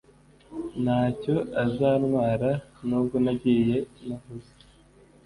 ntacyo azanwara nubwo nagiye ntavuze